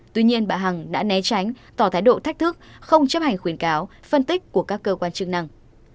tuy nhiên bà hằng đã né tránh tỏ thái độ thách thức không chấp hành khuyến cáo phân tích của các cơ quan chức năng